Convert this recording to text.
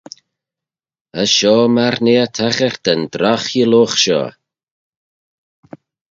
As shoh myr nee eh taghyrt da'n drogh heeloghe shoh.